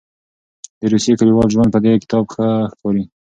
د روسیې کلیوال ژوند په دې کتاب کې ښه ښکاري.